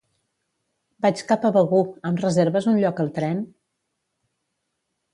Vaig cap a Begur; em reserves un lloc al tren?